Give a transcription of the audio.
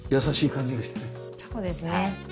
そうですねはい。